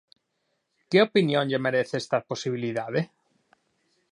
Que opinión lle merece esta posibilidade?